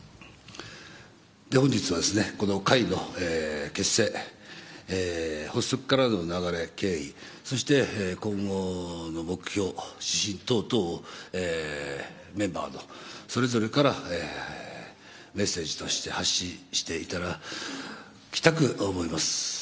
本日は、この会の結成発足からの流れ、経緯そして、今後の目標、指針等をメンバーのそれぞれからメッセージとして発信していただきたく思います。